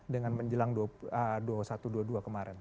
dengan menjelang dua ribu satu ratus dua puluh dua kemarin